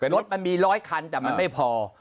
รถมันมี๑๐๐คันแต่มันไม่พอ